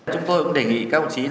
chúng tôi cũng đề nghị các bộ trí